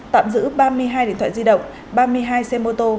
tạm giữ ba mươi hai điện thoại di động ba mươi hai xe mô tô